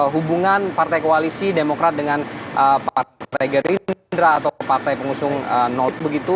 hubungan partai koalisi demokrat dengan partai gerindra atau partai pengusung begitu